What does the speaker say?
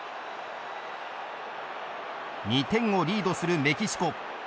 ２点をリードするメキシコ。